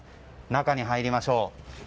中に入りましょう。